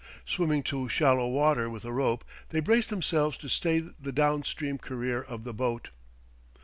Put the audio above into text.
Swimming to shallow water with a rope, they brace themselves to stay the down stream career of the boat.